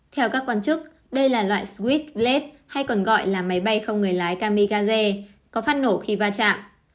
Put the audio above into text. theo các quan chức đây là loại swift blade hay còn gọi là máy bay không người lái kamikaze có phát nổ khi va chạm